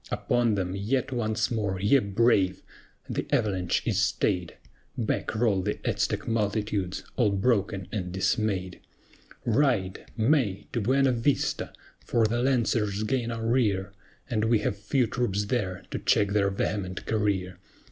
Upon them yet once more, ye brave! The avalanche is stayed! Back roll the Aztec multitudes, all broken and dismayed. Ride! MAY! To Buena Vista! for the Lancers gain our rear, And we have few troops there to check their vehement career.